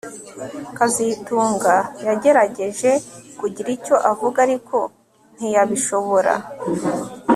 kazitunga yagerageje kugira icyo avuga ariko ntiyabishobora